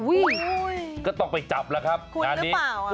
อุ๊ยก็ต้องไปจับแล้วครับนานนี้คุณหรือเปล่า